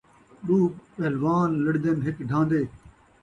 ݙو پلھوان لڑدن ، ہک ڈھہن٘دے